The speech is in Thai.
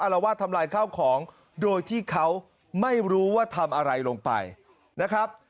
ละวาดทำลายข้าวของโดยที่เขาไม่รู้ว่าทำอะไรลงไปนะครับ